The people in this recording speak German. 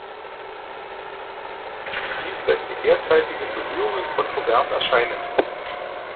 Dies lässt die derzeitigen Bemühungen kontrovers erscheinen.